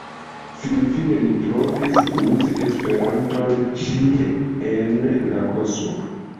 Finfine li trovis: uzi Esperanton ĉie en la kosmo.